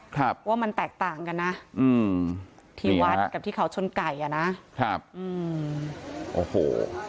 ครับว่ามันแตกต่างกันนะอืมที่วัดกับที่เขาชนไก่อ่ะนะครับอืมโอ้โห